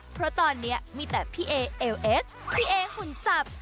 เพราะตอนนี้มีแต่พี่เอเอลเอสพี่เอหุ่นสับ